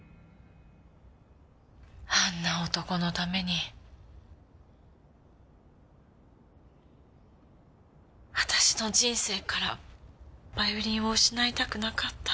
あんな男のために私の人生からヴァイオリンを失いたくなかった。